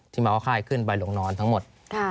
ที่ม้าว่าค่ายขึ้นไปหลงนอนทั้งหมด